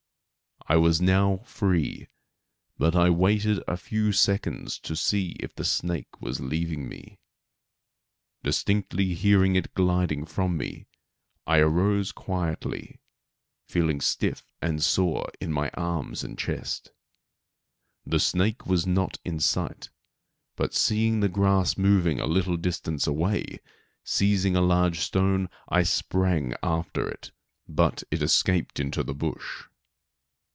I was now free, but I waited a few seconds to see if the snake was leaving me. Distinctly hearing it gliding from me, I arose quietly, feeling stiff and sore in my arms and chest. The snake was not in sight, but seeing the grass moving a little distance away, seizing a large stone I sprang after it, but it escaped into the bush.